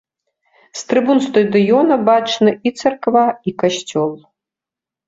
З трыбун стадыёна бачны і царква, і касцёл.